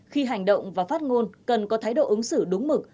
khi hành động và phát ngôn cần có thái độ ứng xử đúng mực